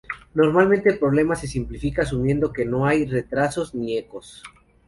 Normalmente el problema se simplifica asumiendo que no hay retrasos ni ecos.